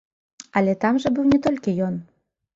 Але там жа быў не толькі ён.